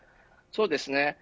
そうですね。